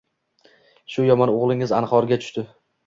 Shu yomon o‘g‘lingiz anhorga tushdi